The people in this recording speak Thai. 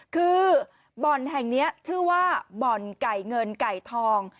คือบ่อนแห่งนี้ชื่อว่าบ่อนไก่เงินไก่ทอง